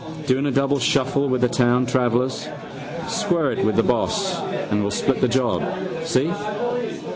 Doing a double shuffle with the town travellers. Square it you with the boss and we'll split the job, see?